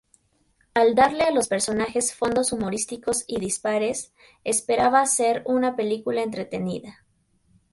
Al darle a los personajes fondos humorísticos y dispares, esperaba hacer una película entretenida.